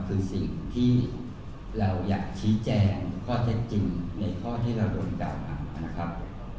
คือสิ่งที่เราอยากชี้แจงข้อเท็จจริงในข้อที่เราโดนกล่าวหานะครับ